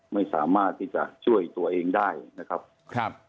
ไม่สามารถที่จะช่วยตัวเองได้นะครับครับ